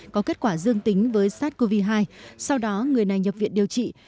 có kết quả dương tính với sars cov hai sau đó người này nhập viện điều trị